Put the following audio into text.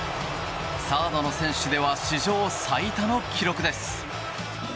サードの選手では史上最多の記録です。